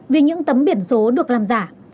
vì những tấm biển số được làm giả